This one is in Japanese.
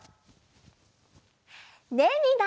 ねえみんな！